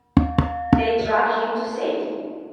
They drag him to safety.